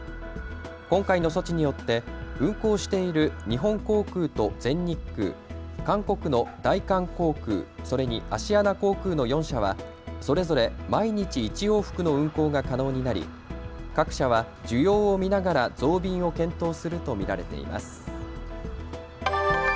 今回の措置によって運航している日本航空と全日空、韓国の大韓航空、それにアシアナ航空の４社はそれぞれ毎日１往復の運航が可能になり各社は需要を見ながら増便を検討すると見られています。